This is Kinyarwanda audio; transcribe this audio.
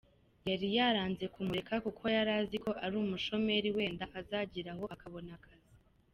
Yari yaranze kumureka kuko yari azi ko ari umushomeri wenda azageraho akabona akazi.